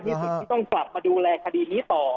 ที่ต้องกลับมาดูแลคดีนี้ต่อ